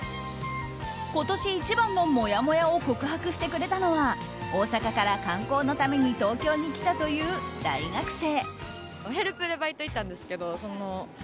今年一番のもやもやを告白してくれたのは大阪から観光のために東京に来たという大学生。